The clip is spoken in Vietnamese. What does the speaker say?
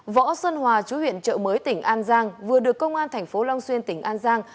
võ sơn hòa chú huyện trợ mới tỉnh an giang vừa được công an tp long xuyên tỉnh an giang